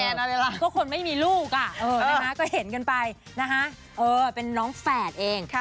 เพราะคนไม่มีลูกอะก็เห็นกันไปเป็นน้องแฝดเอง